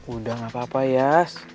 udah gapapa yas